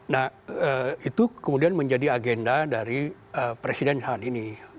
nah itu kemudian menjadi agenda dari presiden saat ini